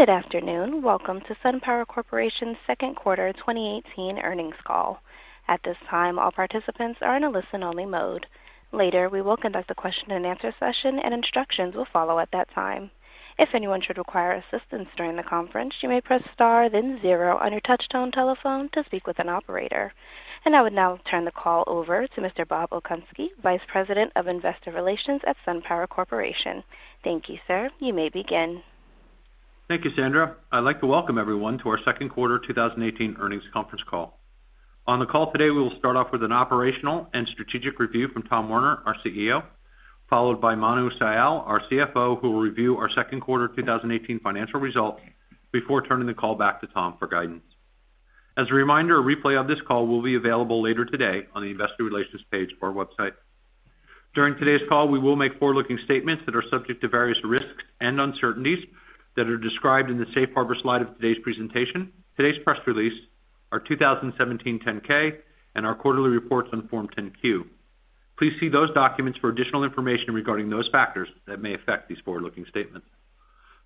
Good afternoon. Welcome to SunPower Corporation's second quarter 2018 earnings call. At this time, all participants are in a listen-only mode. Later, we will conduct a question and answer session, and instructions will follow at that time. If anyone should require assistance during the conference, you may press star then zero on your touch-tone telephone to speak with an operator. I would now turn the call over to Mr. Bob Okunski, Vice President of Investor Relations at SunPower Corporation. Thank you, sir. You may begin. Thank you, Sandra. I'd like to welcome everyone to our second quarter 2018 earnings conference call. On the call today, we will start off with an operational and strategic review from Tom Werner, our CEO, followed by Manavendra Sial, our CFO, who will review our second quarter 2018 financial results before turning the call back to Tom for guidance. As a reminder, a replay of this call will be available later today on the investor relations page of our website. During today's call, we will make forward-looking statements that are subject to various risks and uncertainties that are described in the safe harbor slide of today's presentation, today's press release, our 2017 10-K, and our quarterly reports on Form 10-Q. Please see those documents for additional information regarding those factors that may affect these forward-looking statements.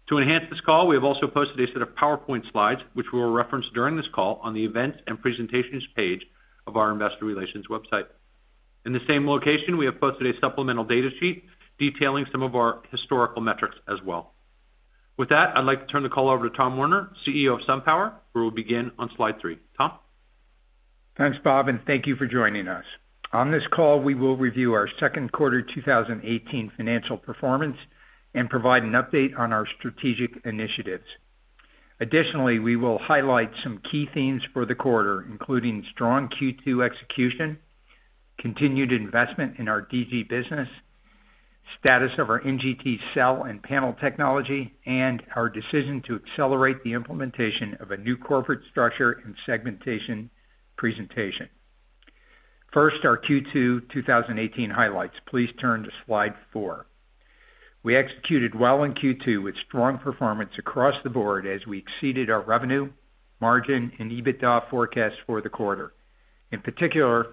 To enhance this call, we have also posted a set of PowerPoint slides, which we will reference during this call on the events and presentations page of our investor relations website. In the same location, we have posted a supplemental data sheet detailing some of our historical metrics as well. With that, I'd like to turn the call over to Tom Werner, CEO of SunPower, who will begin on slide three. Tom? Thanks, Bob. Thank you for joining us. On this call, we will review our second quarter 2018 financial performance and provide an update on our strategic initiatives. Additionally, we will highlight some key themes for the quarter, including strong Q2 execution, continued investment in our DG business, status of our NGT cell and panel technology, and our decision to accelerate the implementation of a new corporate structure and segmentation presentation. First, our Q2 2018 highlights. Please turn to slide four. We executed well in Q2 with strong performance across the board as we exceeded our revenue, margin, and EBITDA forecasts for the quarter. In particular,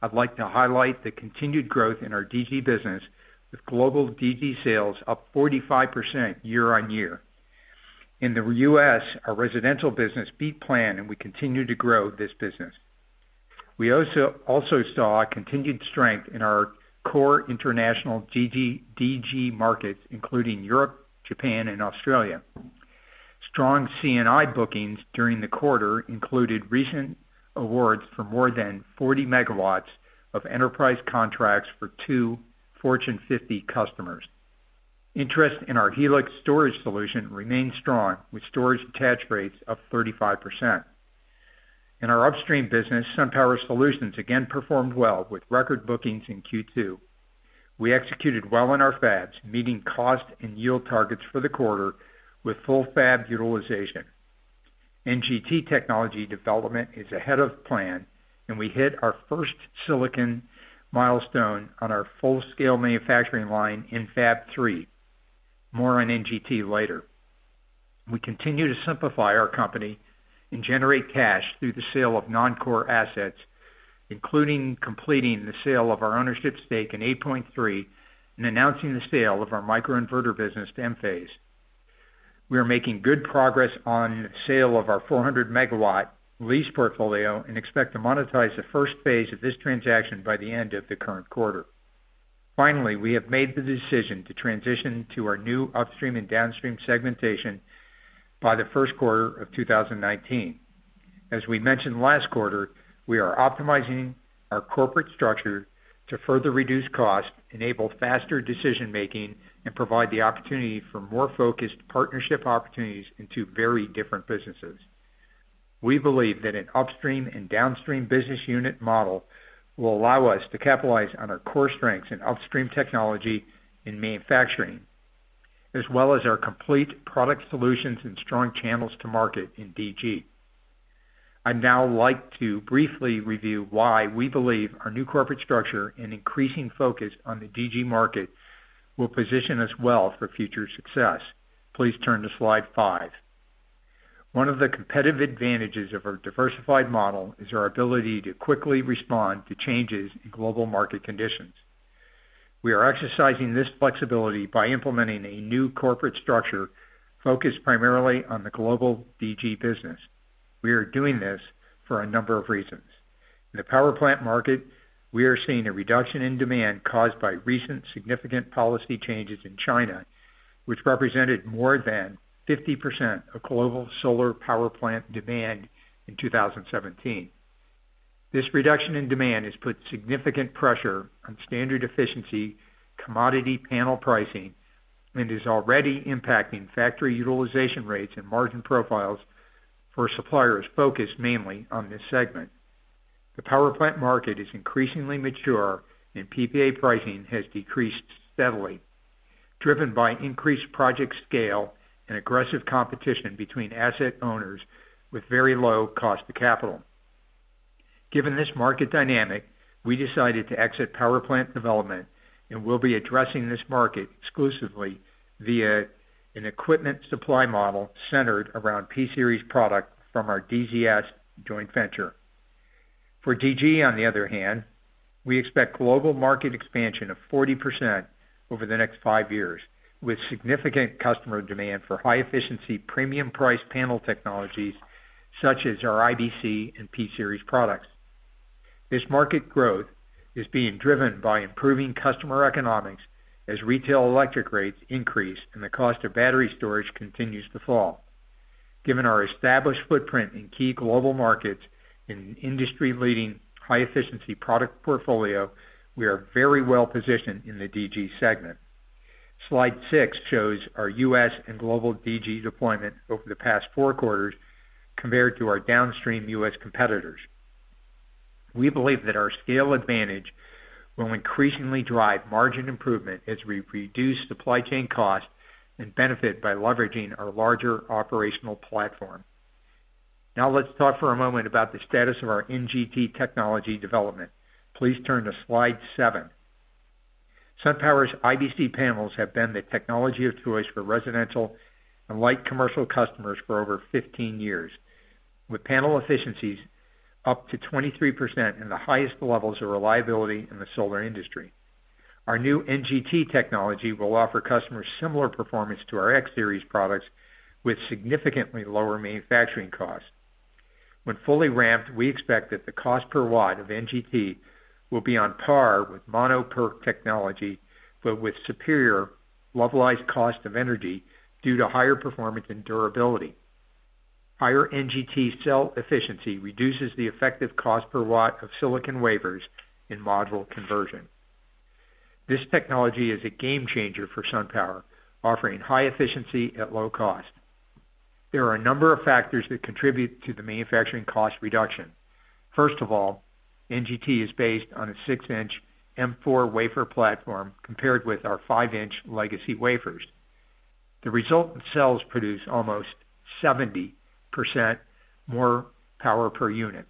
I'd like to highlight the continued growth in our DG business with global DG sales up 45% year-on-year. In the U.S., our residential business beat plan. We continue to grow this business. We also saw continued strength in our core international DG markets, including Europe, Japan, and Australia. Strong C&I bookings during the quarter included recent awards for more than 40 megawatts of enterprise contracts for two Fortune 50 customers. Interest in our Helix storage solution remains strong, with storage attach rates up 35%. In our upstream business, SunPower Solutions again performed well with record bookings in Q2. We executed well in our fabs, meeting cost and yield targets for the quarter with full fab utilization. NGT technology development is ahead of plan, and we hit our first silicon milestone on our full-scale manufacturing line in fab 3. More on NGT later. We continue to simplify our company and generate cash through the sale of non-core assets, including completing the sale of our ownership stake in 8point3 and announcing the sale of our microinverter business to Enphase. We are making good progress on sale of our 400-megawatt lease portfolio and expect to monetize the first phase of this transaction by the end of the current quarter. Finally, we have made the decision to transition to our new upstream and downstream segmentation by the first quarter of 2019. As we mentioned last quarter, we are optimizing our corporate structure to further reduce costs, enable faster decision-making, and provide the opportunity for more focused partnership opportunities in two very different businesses. We believe that an upstream and downstream business unit model will allow us to capitalize on our core strengths in upstream technology and manufacturing, as well as our complete product solutions and strong channels to market in DG. I'd now like to briefly review why we believe our new corporate structure and increasing focus on the DG market will position us well for future success. Please turn to slide five. One of the competitive advantages of our diversified model is our ability to quickly respond to changes in global market conditions. We are exercising this flexibility by implementing a new corporate structure focused primarily on the global DG business. We are doing this for a number of reasons. In the power plant market, we are seeing a reduction in demand caused by recent significant policy changes in China, which represented more than 50% of global solar power plant demand in 2017. This reduction in demand has put significant pressure on standard efficiency commodity panel pricing and is already impacting factory utilization rates and margin profiles for suppliers focused mainly on this segment. The power plant market is increasingly mature, and PPA pricing has decreased steadily, driven by increased project scale and aggressive competition between asset owners with very low cost of capital. Given this market dynamic, we decided to exit power plant development and will be addressing this market exclusively via an equipment supply model centered around P-Series product from our DZS joint venture. For DG, on the other hand, we expect global market expansion of 40% over the next five years, with significant customer demand for high-efficiency, premium-priced panel technologies such as our IBC and P-Series products. This market growth is being driven by improving customer economics as retail electric rates increase and the cost of battery storage continues to fall. Given our established footprint in key global markets and industry-leading high-efficiency product portfolio, we are very well positioned in the DG segment. Slide six shows our U.S. and global DG deployment over the past four quarters compared to our downstream U.S. competitors. We believe that our scale advantage will increasingly drive margin improvement as we reduce supply chain costs and benefit by leveraging our larger operational platform. Now let's talk for a moment about the status of our NGT technology development. Please turn to slide seven. SunPower's IBC panels have been the technology of choice for residential and light commercial customers for over 15 years, with panel efficiencies up to 23% and the highest levels of reliability in the solar industry. Our new NGT technology will offer customers similar performance to our X-Series products with significantly lower manufacturing costs. When fully ramped, we expect that the cost per watt of NGT will be on par with Mono PERC technology, but with superior levelized cost of energy due to higher performance and durability. Higher NGT cell efficiency reduces the effective cost per watt of silicon wafers in module conversion. This technology is a game changer for SunPower, offering high efficiency at low cost. There are a number of factors that contribute to the manufacturing cost reduction. First of all, NGT is based on a six-inch M4 wafer platform compared with our five-inch legacy wafers. The resultant cells produce almost 70% more power per unit.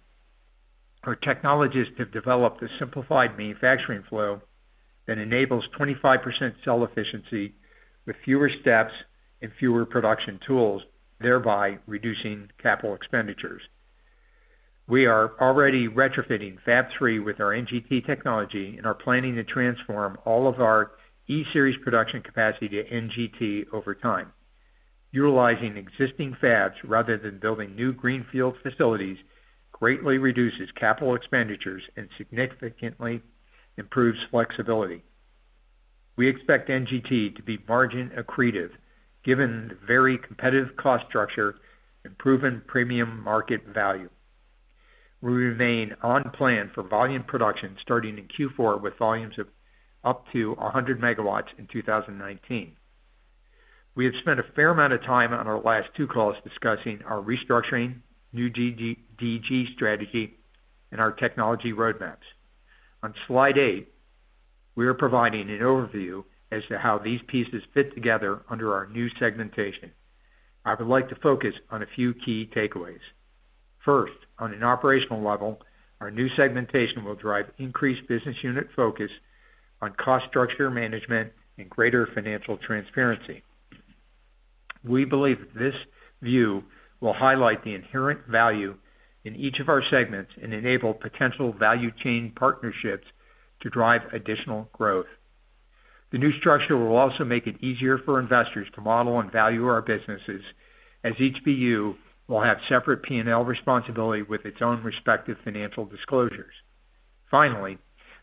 Our technologists have developed a simplified manufacturing flow that enables 25% cell efficiency with fewer steps and fewer production tools, thereby reducing capital expenditures. We are already retrofitting Fab3 with our NGT technology and are planning to transform all of our E-Series production capacity to NGT over time. Utilizing existing fabs rather than building new greenfield facilities greatly reduces capital expenditures and significantly improves flexibility. We expect NGT to be margin accretive given the very competitive cost structure and proven premium market value. We remain on plan for volume production starting in Q4, with volumes of up to 100 MW in 2019. We have spent a fair amount of time on our last two calls discussing our restructuring, new DG strategy, and our technology roadmaps. On slide eight, we are providing an overview as to how these pieces fit together under our new segmentation. I would like to focus on a few key takeaways. First, on an operational level, our new segmentation will drive increased business unit focus on cost structure management and greater financial transparency. We believe that this view will highlight the inherent value in each of our segments and enable potential value chain partnerships to drive additional growth. The new structure will also make it easier for investors to model and value our businesses, as each BU will have separate P&L responsibility with its own respective financial disclosures. Finally,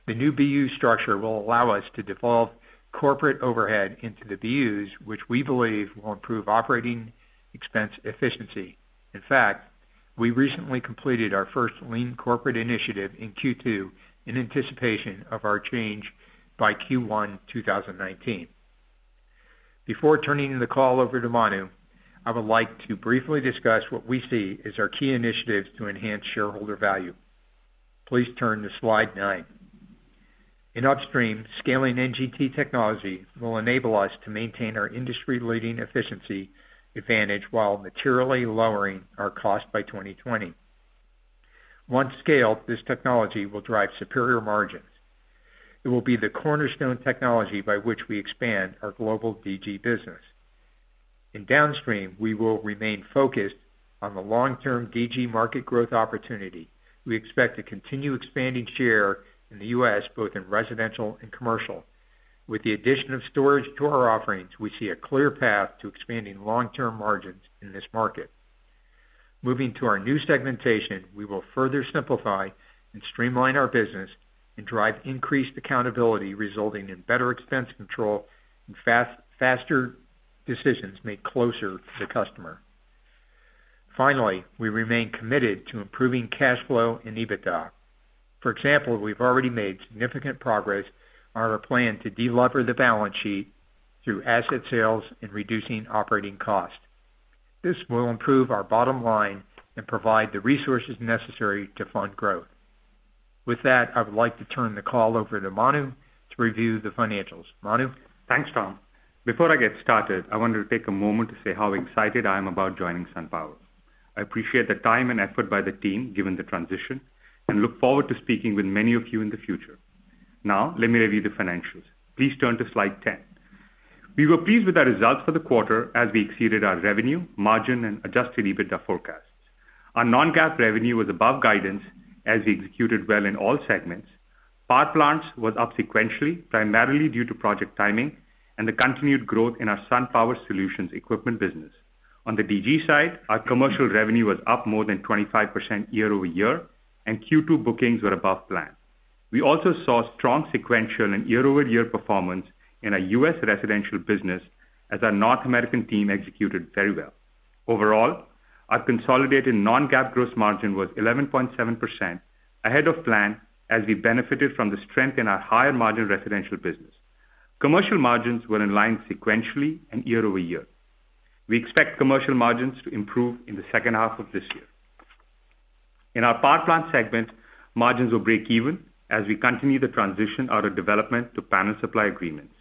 the new BU structure will allow us to devolve corporate overhead into the BUs, which we believe will improve operating expense efficiency. In fact, we recently completed our first lean corporate initiative in Q2 in anticipation of our change by Q1 2019. Before turning the call over to Manu, I would like to briefly discuss what we see as our key initiatives to enhance shareholder value. Please turn to slide nine. In upstream, scaling NGT technology will enable us to maintain our industry-leading efficiency advantage while materially lowering our cost by 2020. Once scaled, this technology will drive superior margins. It will be the cornerstone technology by which we expand our global DG business. In downstream, we will remain focused on the long-term DG market growth opportunity. We expect to continue expanding share in the U.S., both in residential and commercial. With the addition of storage to our offerings, we see a clear path to expanding long-term margins in this market. Moving to our new segmentation, we will further simplify and streamline our business and drive increased accountability, resulting in better expense control and faster decisions made closer to the customer. Finally, we remain committed to improving cash flow and EBITDA. For example, we've already made significant progress on our plan to delever the balance sheet through asset sales and reducing operating costs. This will improve our bottom line and provide the resources necessary to fund growth. With that, I would like to turn the call over to Manu to review the financials. Manu? Thanks, Tom. Before I get started, I wanted to take a moment to say how excited I am about joining SunPower. I appreciate the time and effort by the team given the transition and look forward to speaking with many of you in the future. Now let me review the financials. Please turn to slide 10. We were pleased with our results for the quarter as we exceeded our revenue, margin, and adjusted EBITDA forecasts. Our non-GAAP revenue was above guidance as we executed well in all segments. Power plants was up sequentially, primarily due to project timing and the continued growth in our SunPower Solutions equipment business. On the DG side, our commercial revenue was up more than 25% year-over-year, and Q2 bookings were above plan. We also saw strong sequential and year-over-year performance in our U.S. residential business as our North American team executed very well. Overall, our consolidated non-GAAP gross margin was 11.7%, ahead of plan, as we benefited from the strength in our higher-margin residential business. Commercial margins were in line sequentially and year-over-year. We expect commercial margins to improve in the second half of this year. In our power plant segment, margins will break even as we continue the transition out of development to panel supply agreements.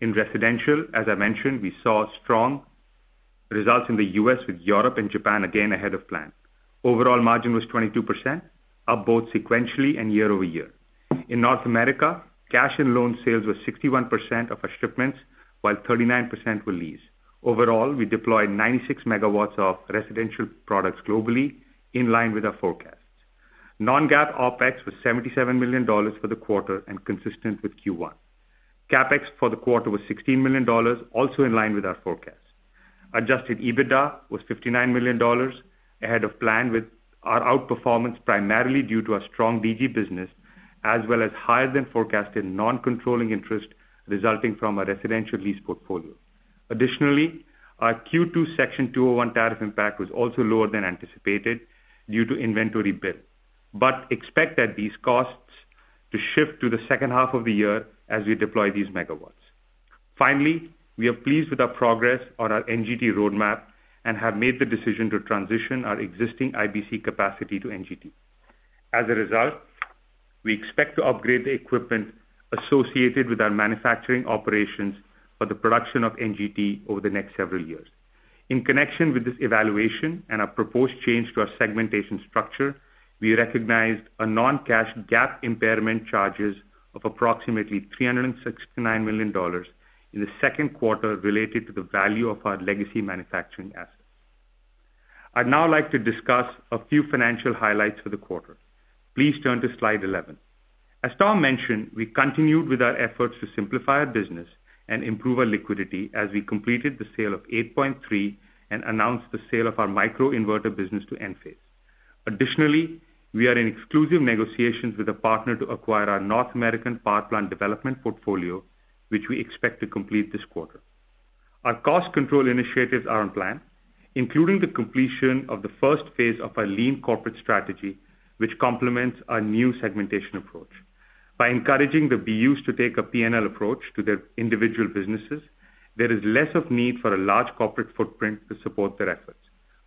In residential, as I mentioned, we saw strong results in the U.S., with Europe and Japan again ahead of plan. Overall margin was 22%, up both sequentially and year-over-year. In North America, cash and loan sales were 61% of our shipments, while 39% were lease. Overall, we deployed 96 megawatts of residential products globally, in line with our forecasts. Non-GAAP OpEx was $77 million for the quarter and consistent with Q1. CapEx for the quarter was $16 million, also in line with our forecast. Adjusted EBITDA was $59 million, ahead of plan, with our outperformance primarily due to our strong DG business as well as higher-than-forecasted non-controlling interest resulting from our residential lease portfolio. Additionally, our Q2 Section 201 tariff impact was also lower than anticipated due to inventory build. Expect that these costs to shift to the second half of the year as we deploy these megawatts. Finally, we are pleased with our progress on our NGT roadmap and have made the decision to transition our existing IBC capacity to NGT. As a result, we expect to upgrade the equipment associated with our manufacturing operations for the production of NGT over the next several years. In connection with this evaluation and our proposed change to our segmentation structure, we recognized a non-cash GAAP impairment charges of approximately $369 million in the second quarter related to the value of our legacy manufacturing assets. I'd now like to discuss a few financial highlights for the quarter. Please turn to slide 11. As Tom mentioned, we continued with our efforts to simplify our business and improve our liquidity as we completed the sale of 8point3 and announced the sale of our microinverter business to Enphase. Additionally, we are in exclusive negotiations with a partner to acquire our North American power plant development portfolio, which we expect to complete this quarter. Our cost control initiatives are on plan, including the completion of the first phase of our lean corporate strategy, which complements our new segmentation approach. By encouraging the BUs to take a P&L approach to their individual businesses, there is less of a need for a large corporate footprint to support their efforts.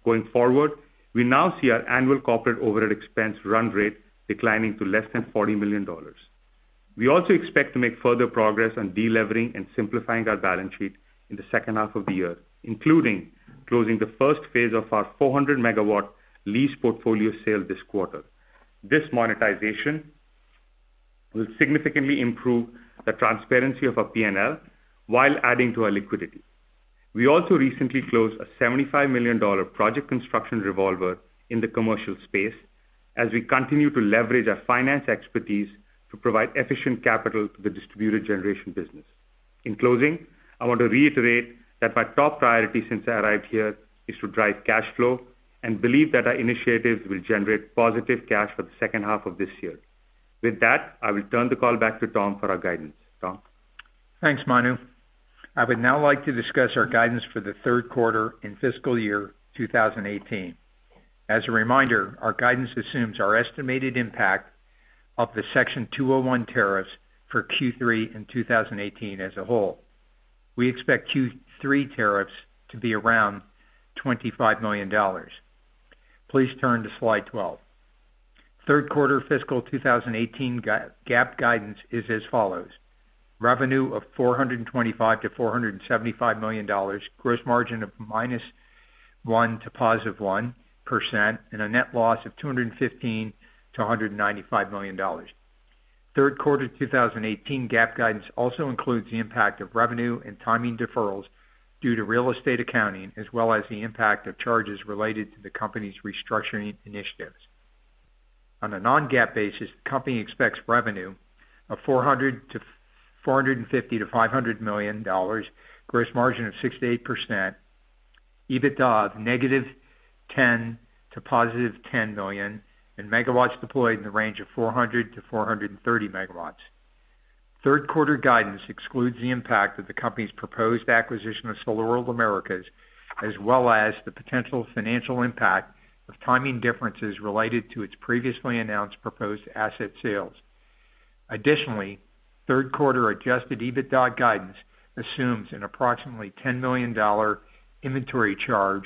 Going forward, we now see our annual corporate overhead expense run rate declining to less than $40 million. We also expect to make further progress on delevering and simplifying our balance sheet in the second half of the year, including closing the first phase of our 400-megawatt lease portfolio sale this quarter. This monetization will significantly improve the transparency of our P&L while adding to our liquidity. We also recently closed a $75 million project construction revolver in the commercial space as we continue to leverage our finance expertise to provide efficient capital to the distributed generation business. In closing, I want to reiterate that my top priority since I arrived here is to drive cash flow and believe that our initiatives will generate positive cash for the second half of this year. With that, I will turn the call back to Tom for our guidance. Tom? Thanks, Manu. I would now like to discuss our guidance for the third quarter and fiscal year 2018. As a reminder, our guidance assumes our estimated impact of the Section 201 tariffs for Q3 and 2018 as a whole. We expect Q3 tariffs to be around $25 million. Please turn to slide 12. Third quarter fiscal 2018 GAAP guidance is as follows: revenue of $425 million to $475 million, gross margin of -1% to +1%, and a net loss of $215 million to $195 million. Third quarter 2018 GAAP guidance also includes the impact of revenue and timing deferrals due to real estate accounting, as well as the impact of charges related to the company's restructuring initiatives. On a non-GAAP basis, the company expects revenue of $450 million-$500 million, gross margin of 6% to 8%, EBITDA of -$10 million to +$10 million, and megawatts deployed in the range of 400-430 megawatts. Third quarter guidance excludes the impact of the company's proposed acquisition of SolarWorld Americas, as well as the potential financial impact of timing differences related to its previously announced proposed asset sales. Additionally, third quarter adjusted EBITDA guidance assumes an approximately $10 million inventory charge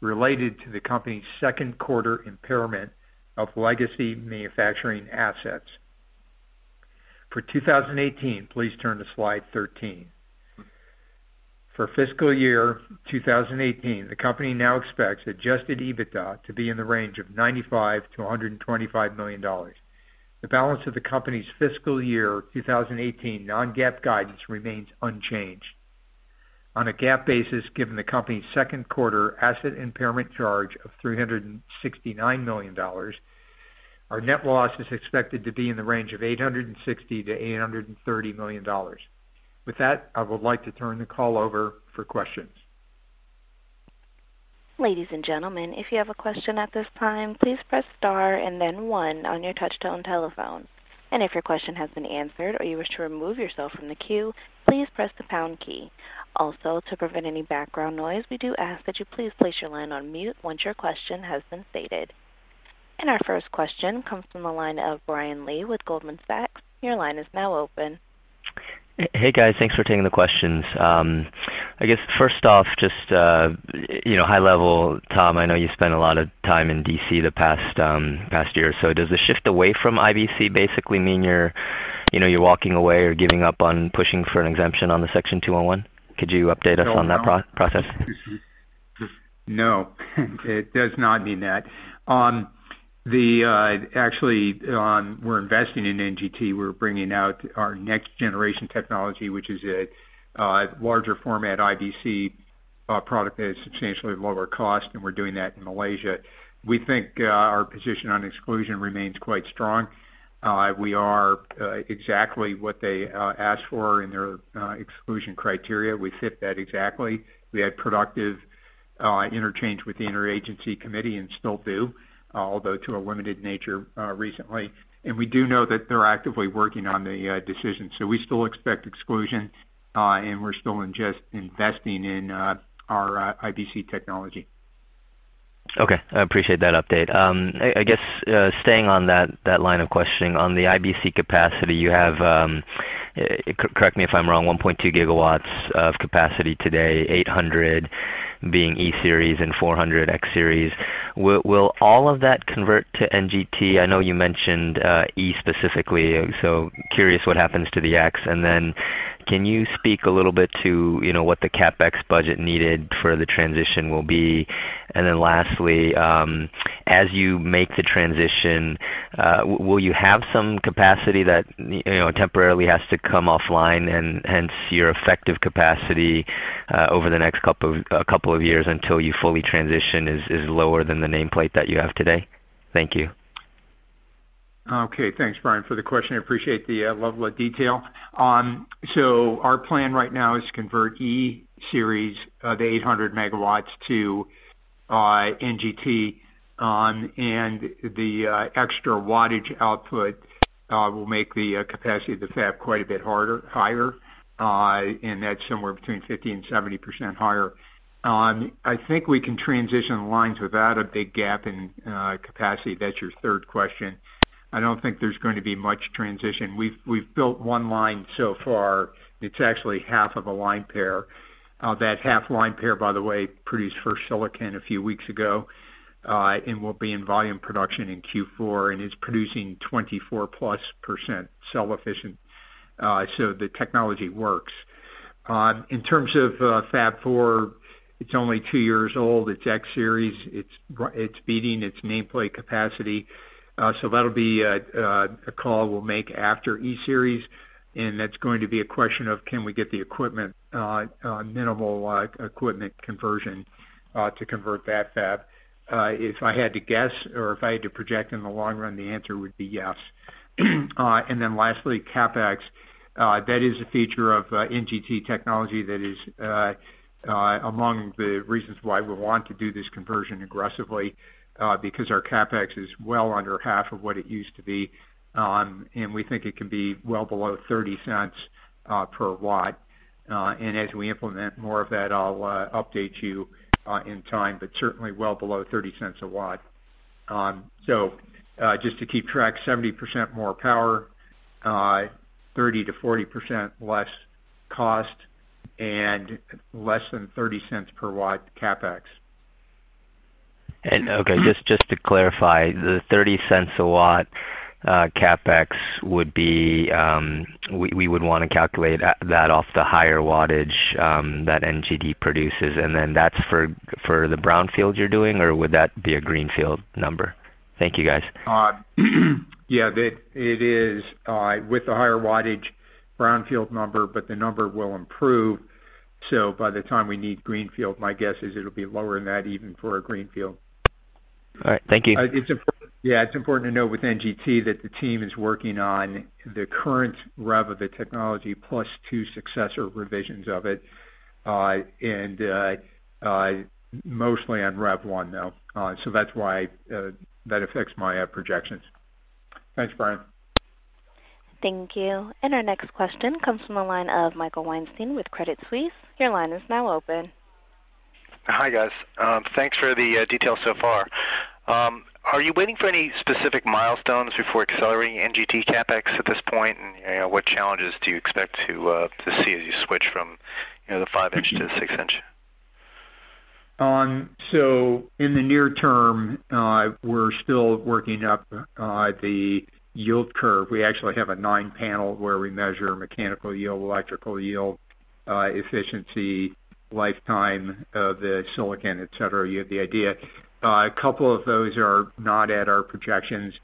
related to the company's second quarter impairment of legacy manufacturing assets. For 2018, please turn to slide 13. For fiscal year 2018, the company now expects adjusted EBITDA to be in the range of $95 million-$125 million. The balance of the company's fiscal year 2018 non-GAAP guidance remains unchanged. On a GAAP basis, given the company's second quarter asset impairment charge of $369 million, our net loss is expected to be in the range of $860 million-$830 million. With that, I would like to turn the call over for questions. Ladies and gentlemen, if you have a question at this time, please press star and then one on your touchtone telephone. If your question has been answered or you wish to remove yourself from the queue, please press the pound key. Also, to prevent any background noise, we do ask that you please place your line on mute once your question has been stated. Our first question comes from the line of Brian Lee with Goldman Sachs. Your line is now open. Hey, guys. Thanks for taking the questions. I guess first off, just high level, Tom, I know you spent a lot of time in D.C. the past year or so. Does the shift away from IBC basically mean you're walking away or giving up on pushing for an exemption on the Section 201? Could you update us on that process? No, it does not mean that. Actually, we're investing in NGT. We're bringing out our next-generation technology, which is a larger format IBC product at a substantially lower cost, and we're doing that in Malaysia. We think our position on exclusion remains quite strong. We are exactly what they asked for in their exclusion criteria. We fit that exactly. We had productive interchange with the interagency committee and still do, although to a limited nature recently. We do know that they're actively working on the decision, so we still expect exclusion, and we're still investing in our IBC technology. Okay. I appreciate that update. I guess, staying on that line of questioning, on the IBC capacity you have, correct me if I'm wrong, 1.2 gigawatts of capacity today, 800 being E-Series and 400 X-Series. Will all of that convert to NGT? I know you mentioned E specifically, so curious what happens to the X. Can you speak a little bit to what the CapEx budget needed for the transition will be? Lastly, as you make the transition, will you have some capacity that temporarily has to come offline, and hence your effective capacity over the next couple of years until you fully transition is lower than the nameplate that you have today? Thank you. Okay. Thanks, Brian, for the question. I appreciate the level of detail. Our plan right now is to convert E-Series, the 800 megawatts, to NGT. The extra wattage output will make the capacity of the fab quite a bit higher, and that's somewhere between 50% and 70% higher. I think we can transition lines without a big gap in capacity. That's your third question. I don't think there's going to be much transition. We've built one line so far. It's actually half of a line pair. That half line pair, by the way, produced first silicon a few weeks ago, will be in volume production in Q4, and is producing 24-plus% cell efficient. The technology works. In terms of Fab 4, it's only two years old. It's X-Series. It's beating its nameplate capacity. That'll be a call we'll make after E-Series, and that's going to be a question of can we get the equipment, minimal equipment conversion, to convert that fab. If I had to guess, or if I had to project in the long run, the answer would be yes. Lastly, CapEx. That is a feature of NGT technology that is among the reasons why we want to do this conversion aggressively, because our CapEx is well under half of what it used to be. We think it can be well below $0.30 per watt. As we implement more of that, I'll update you in time, but certainly well below $0.30 a watt. Just to keep track, 70% more power, 30%-40% less cost, and less than $0.30 per watt CapEx. Okay, just to clarify, the $0.30 a watt CapEx we would want to calculate that off the higher wattage that NGT produces, that's for the brownfield you're doing, or would that be a greenfield number? Thank you, guys. Yeah. It is with the higher wattage brownfield number, the number will improve. By the time we need greenfield, my guess is it'll be lower than that even for a greenfield. All right. Thank you. Yeah. It's important to know with NGT that the team is working on the current rev of the technology, plus two successor revisions of it. Mostly on rev 1, though. That's why that affects my projections. Thanks, Brian. Thank you. Our next question comes from the line of Michael Weinstein with Credit Suisse. Your line is now open. Hi, guys. Thanks for the details so far. Are you waiting for any specific milestones before accelerating NGT CapEx at this point? What challenges do you expect to see as you switch from the five-inch to the six-inch? In the near term, we're still working up the yield curve. We actually have a nine-panel where we measure mechanical yield, electrical yield, efficiency, lifetime of the silicon, et cetera. You have the idea. A couple of those are not at our projections.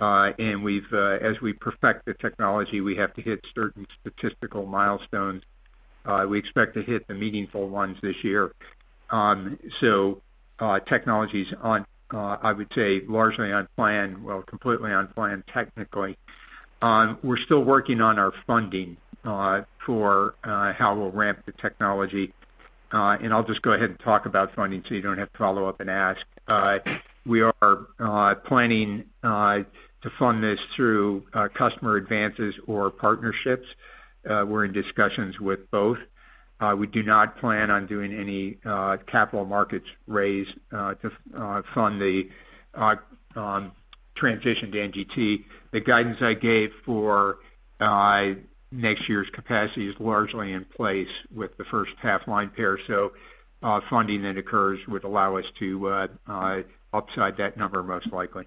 As we perfect the technology, we have to hit certain statistical milestones. We expect to hit the meaningful ones this year. Technologies, I would say, largely on plan. Well, completely on plan, technically. We're still working on our funding for how we'll ramp the technology. I'll just go ahead and talk about funding so you don't have to follow up and ask. We are planning to fund this through customer advances or partnerships. We're in discussions with both. We do not plan on doing any capital markets raise to fund the transition to NGT. The guidance I gave for next year's capacity is largely in place with the first half line pair, so funding that occurs would allow us to upside that number, most likely.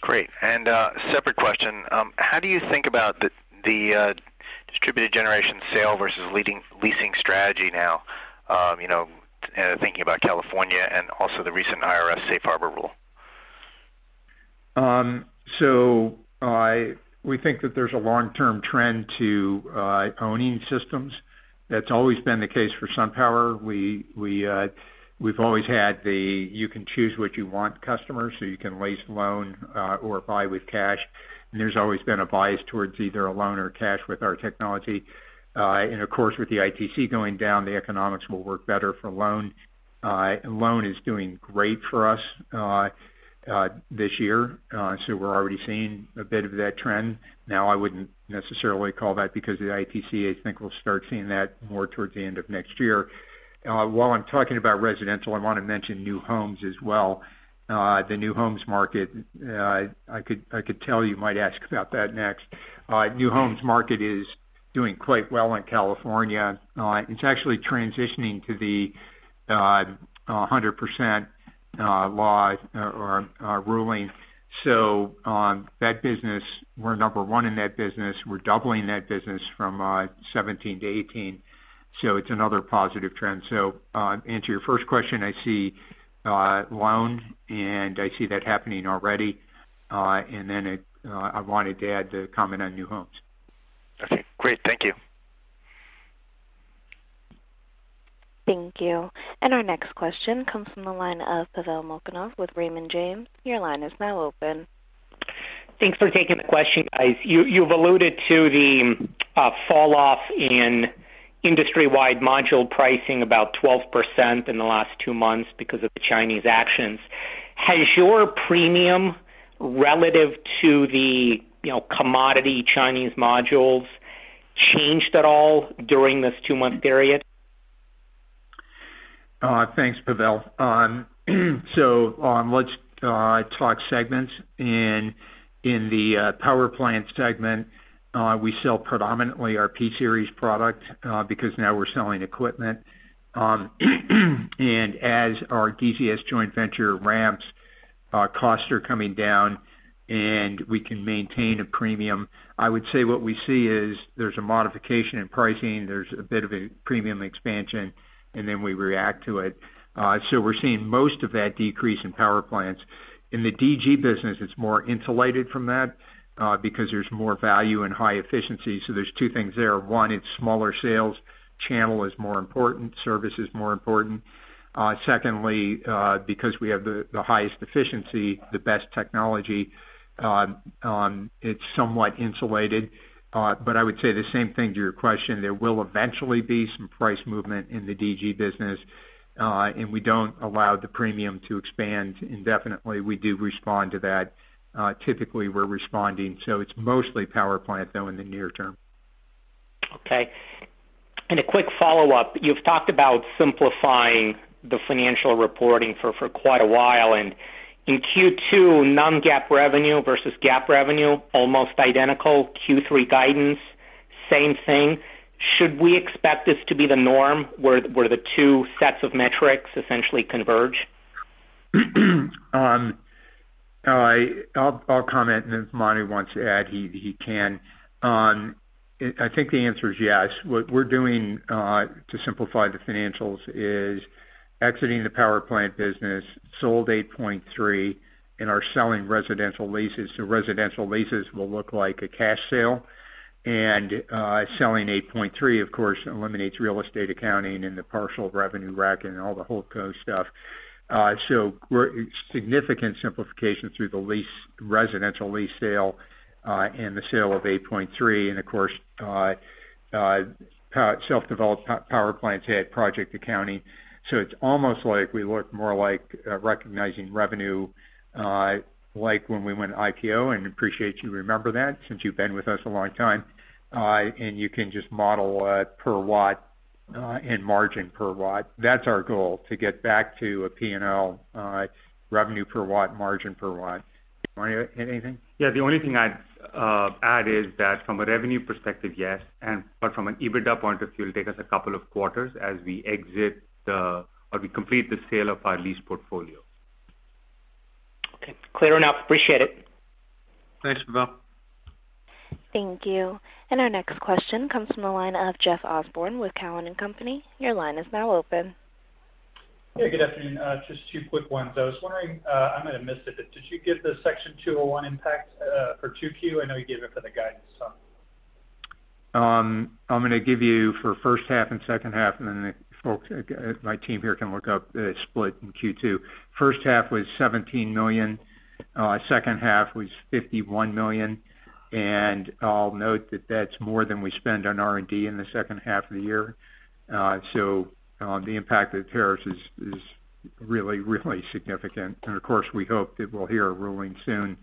Great. A separate question, how do you think about the distributed generation sale versus leasing strategy now? Thinking about California and also the recent IRS safe harbor rule. We think that there's a long-term trend to owning systems. That's always been the case for SunPower. We've always had the you-can-choose-what-you-want customer, so you can lease, loan, or buy with cash, and there's always been a bias towards either a loan or cash with our technology. Of course, with the ITC going down, the economics will work better for loan. Loan is doing great for us this year, so we're already seeing a bit of that trend. I wouldn't necessarily call that because of the ITC. I think we'll start seeing that more towards the end of next year. While I'm talking about residential, I want to mention new homes as well. The new homes market, I could tell you might ask about that next. New homes market is doing quite well in California. It's actually transitioning to the 100% law or ruling. That business, we're number one in that business. We're doubling that business from 2017 to 2018, so it's another positive trend. To answer your first question, I see loan, and I see that happening already. Then I wanted to add the comment on new homes. Great. Thank you. Thank you. Our next question comes from the line of Pavel Molchanov with Raymond James. Your line is now open. Thanks for taking the question, guys. You've alluded to the falloff in industry-wide module pricing, about 12% in the last two months because of the Chinese actions. Has your premium relative to the commodity Chinese modules changed at all during this two-month period? Thanks, Pavel. Let's talk segments. In the power plant segment, we sell predominantly our P-Series product because now we're selling equipment. As our GCS joint venture ramps, costs are coming down, and we can maintain a premium. I would say what we see is there's a modification in pricing. There's a bit of a premium expansion, and then we react to it. We're seeing most of that decrease in power plants. In the DG business, it's more insulated from that because there's more value in high efficiency. There's two things there. One, it's smaller sales. Channel is more important. Service is more important. Secondly, because we have the highest efficiency, the best technology, it's somewhat insulated. I would say the same thing to your question. There will eventually be some price movement in the DG business, and we don't allow the premium to expand indefinitely. We do respond to that. Typically, we're responding. It's mostly power plant, though, in the near term. A quick follow-up. You've talked about simplifying the financial reporting for quite a while, in Q2, non-GAAP revenue versus GAAP revenue, almost identical. Q3 guidance, same thing. Should we expect this to be the norm, where the two sets of metrics essentially converge? I'll comment, if Manu wants to add, he can. I think the answer is yes. What we're doing to simplify the financials is exiting the power plant business, sold 8point3, and are selling residential leases. Residential leases will look like a cash sale. Selling 8point3 of course, eliminates real estate accounting and the partial revenue rec and all the whole COGS stuff. Significant simplification through the residential lease sale and the sale of 8point3. Of course, self-developed power plants hit project accounting. It's almost like we look more like recognizing revenue, like when we went IPO, and appreciate you remember that since you've been with us a long time. You can just model it per watt and margin per watt. That's our goal, to get back to a P&L revenue per watt, margin per watt. Manu, anything? The only thing I'd add is that from a revenue perspective, yes. From an EBITDA point of view, it'll take us a couple of quarters as we complete the sale of our lease portfolio. Okay, clear enough. Appreciate it. Thanks, Pavel. Thank you. Our next question comes from the line of Jeffrey Osborne with Cowen and Company. Your line is now open. Yeah, good afternoon. Just two quick ones. I was wondering, I might have missed it, but did you give the Section 201 impact for 2Q? I know you gave it for the guidance, so. I'm going to give you for first half and second half. Then the folks, my team here can look up the split in Q2. First half was $17 million. Second half was $51 million. I'll note that that's more than we spend on R&D in the second half of the year. The impact of the tariffs is really significant. Of course, we hope that we'll hear a ruling soon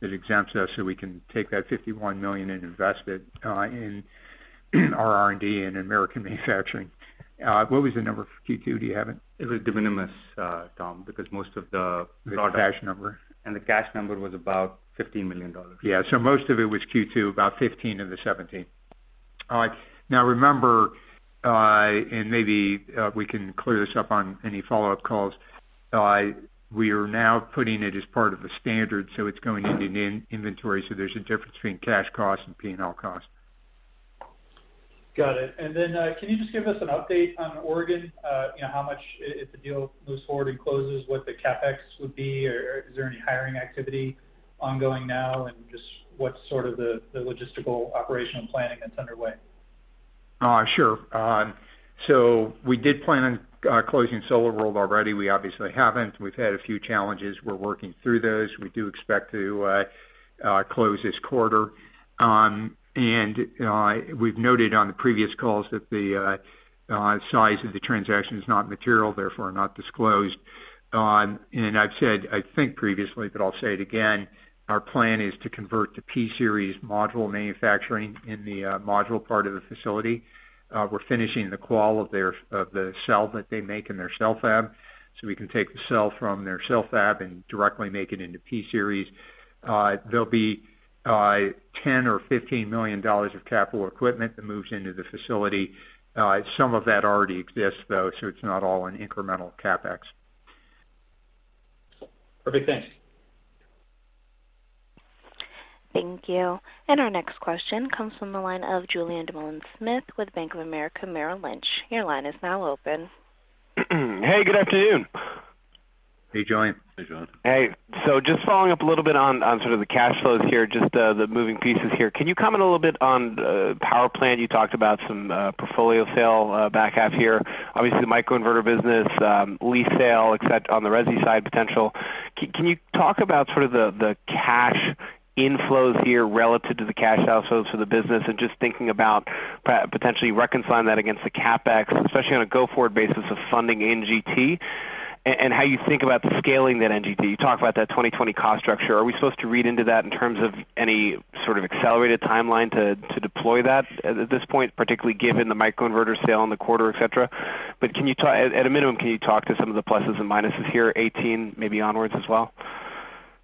that exempts us so we can take that $51 million and invest it in our R&D and American manufacturing. What was the number for Q2? Do you have it? It was de minimis, Tom. The cash number. The cash number was about $15 million. Yeah. Most of it was Q2, about 15 of the 17. All right. Remember, and maybe we can clear this up on any follow-up calls, we are now putting it as part of the standard, so it's going into the inventory. There's a difference between cash cost and P&L cost. Got it. Can you just give us an update on Oregon? How much, if the deal moves forward and closes, what the CapEx would be, or is there any hiring activity ongoing now, and just what's sort of the logistical operational planning that's underway? Sure. We did plan on closing SolarWorld already. We obviously haven't. We've had a few challenges. We're working through those. We do expect to close this quarter. We've noted on the previous calls that the size of the transaction is not material, therefore not disclosed. I've said, I think previously, but I'll say it again, our plan is to convert to P-Series module manufacturing in the module part of the facility. We're finishing the qual of the cell that they make in their cell fab, so we can take the cell from their cell fab and directly make it into P-Series. There'll be $10 million or $15 million of capital equipment that moves into the facility. Some of that already exists, though, so it's not all in incremental CapEx. Perfect. Thanks. Thank you. Our next question comes from the line of Julien Dumoulin-Smith with Bank of America Merrill Lynch. Your line is now open. Hey, good afternoon. Hey, Julien. Hey, Julien. Hey. Just following up a little bit on sort of the cash flows here, just the moving pieces here. Can you comment a little bit on the power plant? You talked about some portfolio sale back half here. Obviously, microinverter business, lease sale, et cetera, on the resi side potential. Can you talk about sort of the cash inflows here relative to the cash outflows for the business and just thinking about potentially reconciling that against the CapEx, especially on a go-forward basis of funding NGT, and how you think about scaling that NGT? You talked about that 2020 cost structure. Are we supposed to read into that in terms of any sort of accelerated timeline to deploy that at this point, particularly given the microinverter sale in the quarter, et cetera? At a minimum, can you talk to some of the pluses and minuses here, 2018 maybe onwards as well?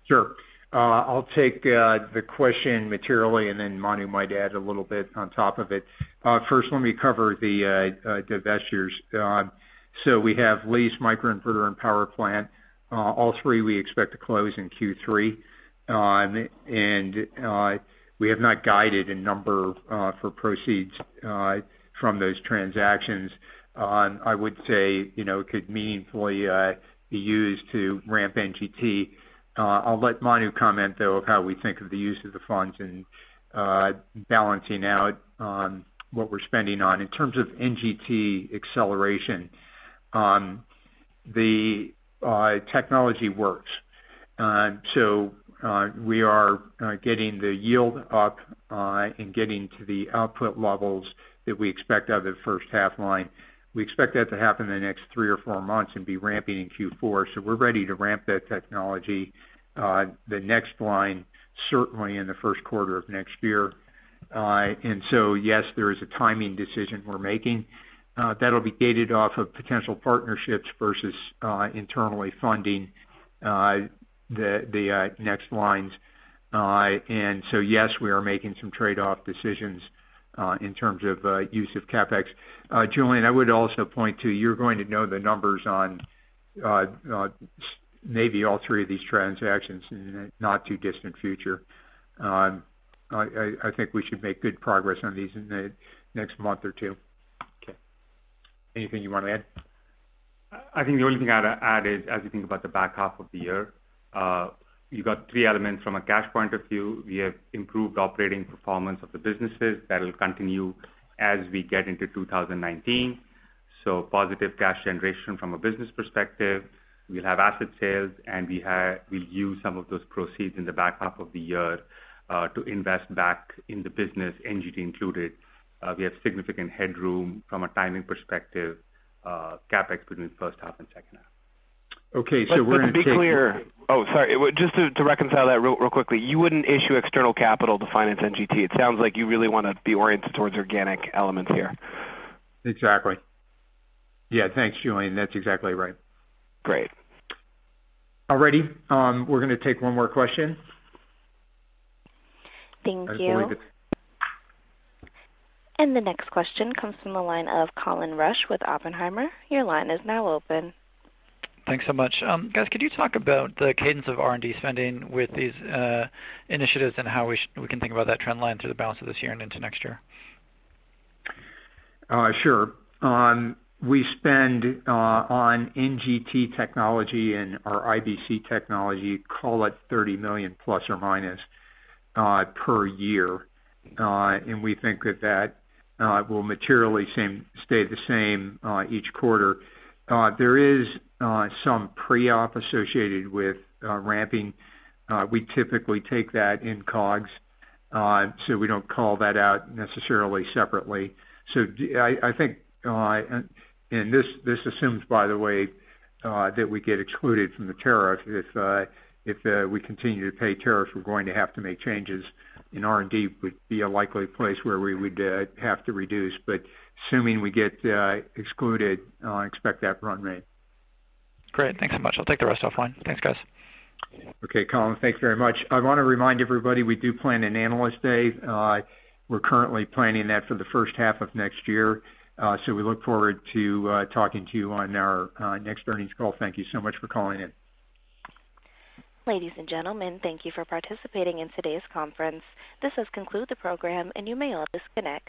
Sure. I'll take the question materially, and then Manu might add a little bit on top of it. First, let me cover the divestitures. We have lease, microinverter, and power plant. All three we expect to close in Q3. We have not guided a number for proceeds from those transactions. I would say it could meaningfully be used to ramp NGT. I'll let Manu comment, though, of how we think of the use of the funds and balancing out what we're spending on. In terms of NGT acceleration, the technology works. We are getting the yield up and getting to the output levels that we expect out of the first half line. We expect that to happen in the next three or four months and be ramping in Q4. We're ready to ramp that technology, the next line, certainly in the first quarter of next year. Yes, there is a timing decision we're making. That'll be gated off of potential partnerships versus internally funding the next lines. Yes, we are making some trade-off decisions in terms of use of CapEx. Julien, I would also point to you're going to know the numbers on maybe all three of these transactions in the not-too-distant future. I think we should make good progress on these in the next month or two. Okay. Anything you want to add? I think the only thing I'd add is, as you think about the back half of the year, you've got three elements from a cash point of view. We have improved operating performance of the businesses. That will continue as we get into 2019. Positive cash generation from a business perspective. We'll have asset sales, and we'll use some of those proceeds in the back half of the year to invest back in the business, NGT included. We have significant headroom from a timing perspective, CapEx between the first half and second half. Okay, we're going to take- Let's be clear. Sorry. Just to reconcile that real quickly, you wouldn't issue external capital to finance NGT. It sounds like you really want to be oriented towards organic elements here. Exactly. Thanks, Julien. That's exactly right. Great. All righty. We're going to take one more question. Thank you. I believe it- The next question comes from the line of Colin Rusch with Oppenheimer. Your line is now open. Thanks so much. Guys, could you talk about the cadence of R&D spending with these initiatives and how we can think about that trend line through the balance of this year and into next year? Sure. We spend on NGT technology and our IBC technology, call it $30 million ± per year. We think that that will materially stay the same each quarter. There is some pre-op associated with ramping. We typically take that in COGS, we don't call that out necessarily separately. This assumes, by the way, that we get excluded from the tariff. If we continue to pay tariff, we're going to have to make changes, and R&D would be a likely place where we would have to reduce. Assuming we get excluded, expect that run rate. Great. Thanks so much. I'll take the rest offline. Thanks, guys. Okay, Colin, thanks very much. I want to remind everybody, we do plan an Analyst Day. We're currently planning that for the first half of next year. We look forward to talking to you on our next earnings call. Thank you so much for calling in. Ladies and gentlemen, thank you for participating in today's conference. This does conclude the program, and you may all disconnect.